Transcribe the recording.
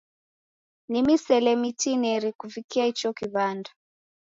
Ni misele mitineri kuvikia icho kiw'anda.